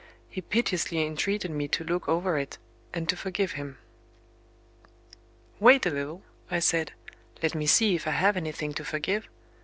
He piteously entreated me to look over it, and to forgive him. "Wait a little," I said. "Let me see if I have anything to forgive."